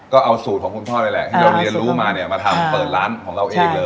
ก็เอาสูตรของคุณพ่อนี่แหละที่เราเรียนรู้มาเนี่ยมาทำเปิดร้านของเราเองเลย